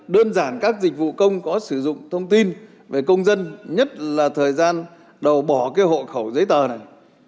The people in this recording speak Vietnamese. đơn giản các dịch vụ công có sử dụng thông tin về công dân nhất là thời gian đầu bỏ hộ khẩu giấy tờ này